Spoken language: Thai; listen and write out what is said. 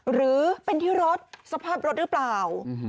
หรือเป็นที่รถสภาพรถหรือเปล่า